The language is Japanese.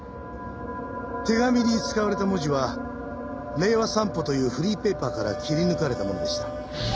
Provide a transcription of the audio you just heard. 手紙に使われた文字は『令和散歩』というフリーペーパーから切り抜かれたものでした。